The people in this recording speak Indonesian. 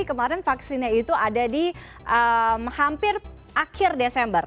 jadi kemarin vaksinnya itu ada di hampir akhir desember